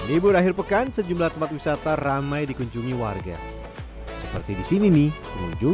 ibu dahir pekan sejumlah tempat wisata ramai dikunjungi warga seperti di sini nih kunjung